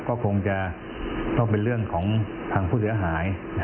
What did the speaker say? ก็คงจะรวมเป็นเรื่องของพิษุภาพหาของผู้เสียหาย